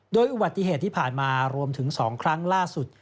โดยอุบัติเหตุที่ผ่านมารวมถึง๒ครั้งล่าสุด